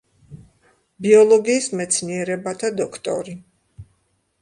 ბიოლოგიის მეცნიერებათა დოქტორი.